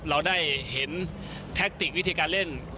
เราได้เห็นแทคติกวิธีการเล่น